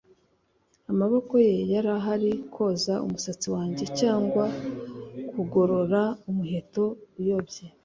amaboko ye yari ahari kwoza umusatsi wanjye, cyangwa kugorora umuheto uyobye.